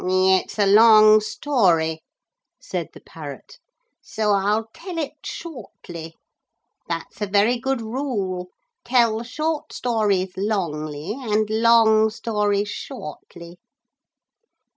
'It's a long story,' said the parrot, 'so I'll tell it shortly. That's a very good rule. Tell short stories longly and long stories shortly.